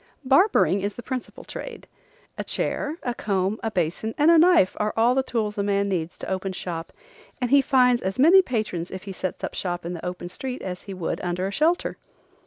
Barbering is the principal trade. A chair, a comb, a basin and a knife are all the tools a man needs to open shop, and he finds as many patrons if he sets up shop in the open street as he would under shelter.